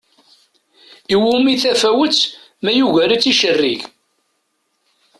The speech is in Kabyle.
Iwumi tafawett ma yugar-itt icerrig?